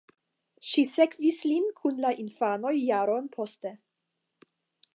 Ŝi sekvis lin kun la infanoj jaron poste.